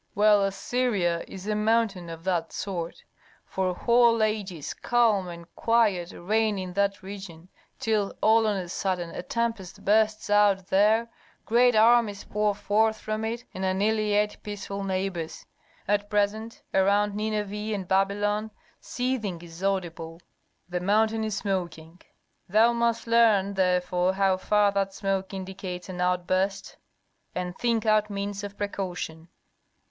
"Well, Assyria is a mountain of that sort. For whole ages calm and quiet reign in that region, till all on a sudden a tempest bursts out there, great armies pour forth from it and annihilate peaceful neighbors. At present around Nineveh and Babylon seething is audible: the mountain is smoking. Thou must learn therefore how far that smoke indicates an outburst, and think out means of precaution."